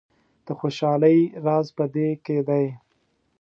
د خوشحالۍ راز په دې کې دی.